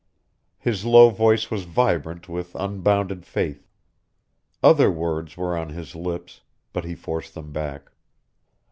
His low voice was vibrant with unbounded faith. Other words were on his lips, but he forced them back.